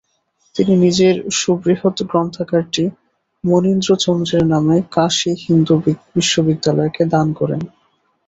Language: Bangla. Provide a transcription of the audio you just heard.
তিনি নিজের সুবৃহৎ গ্রন্থাগারটি মণীন্দ্রচন্দ্রের নামে কাশী হিন্দু বিশ্ববিদ্যালয়কে দান করেন।